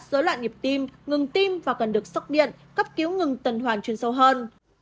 dối loạn nhịp tim ngừng tim và cần được sóc điện cấp cứu ngừng tân hoàn chuyên sâu hơn